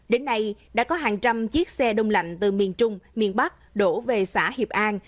đến nay đã có hàng trăm chiếc xe đông lạnh từ miền trung miền bắc đổ về xã hiệp an